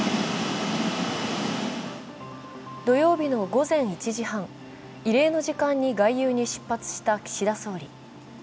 土曜日の午前１時半、異例の時間に外遊に出発した岸田総理。